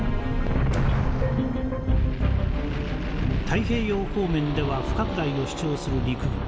太平洋方面では不拡大を主張する陸軍。